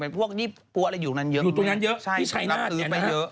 เป็นพวกนี้ปั้วอะไรอยู่ตรงนั้นเยอะไหมครับใช่นับซื้อไปเยอะอยู่ตรงนั้นเยอะที่ชัยนาธ